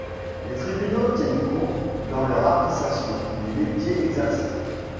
Les tribunaux tiennent compte, dans leur appréciation, du métier exercé.